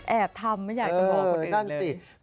แอบทำอย่างที่จะบอกคนอื่นเลย